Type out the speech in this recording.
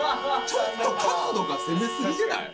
ちょっと角度が攻めすぎてない？